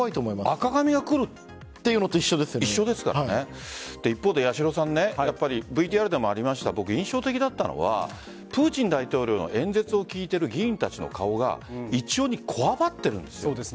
赤紙が来るというのと一方で八代さんＶＴＲでもありました印象的だったのはプーチン大統領の演説を聞いている議員たちの顔が一様にこわばっているんです。